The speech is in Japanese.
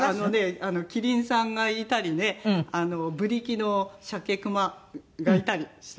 キリンさんがいたりねブリキのシャケ熊がいたりしてますよ。